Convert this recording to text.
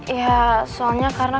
ya soalnya karena